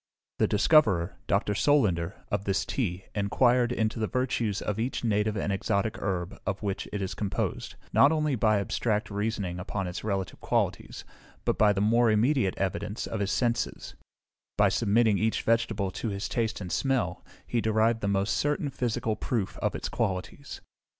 The discoverer, Dr. Solander, of this tea, inquired into the virtues of each native and exotic herb of which it is composed, not only by abstract reasoning upon its relative qualities, but by the more immediate evidence of his senses: by submitting each vegetable to his taste and smell, he derived the most certain physical proof of its qualities.